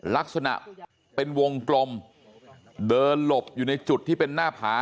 ลักษณะเป็นวงกลมเดินหลบอยู่ในจุดที่เป็นหน้าผา